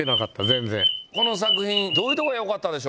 全然この作品どういうところがよかったでしょうか？